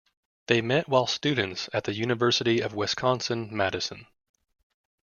They met while students at the University of Wisconsin-Madison.